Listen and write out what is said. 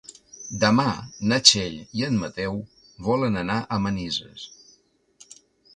Demà na Txell i en Mateu volen anar a Manises.